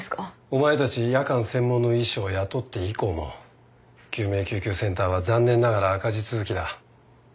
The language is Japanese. お前たち夜間専門の医師を雇って以降も救命救急センターは残念ながら赤字続きだ